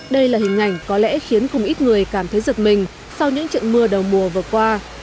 đây là hình ảnh có lẽ khiến không ít người cảm thấy giật mình sau những trận mưa đầu mùa vừa qua